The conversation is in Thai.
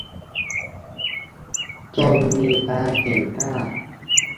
จนมีความเก่งกล้า